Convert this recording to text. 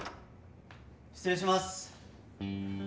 失礼します。